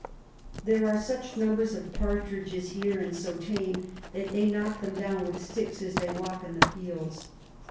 There are such numbers of Partridges here, and so tame, that they knock them down with sticks as they walk in the fields.